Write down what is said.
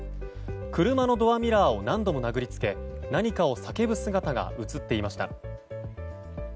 車のドアミラーを何度も殴りつけ何かを叫ぶ姿が映っていました。